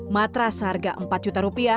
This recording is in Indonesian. matras seharga rp empat juta